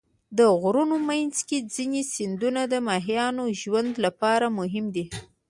د غرونو منځ کې ځینې سیندونه د ماهیانو ژوند لپاره مهم دي.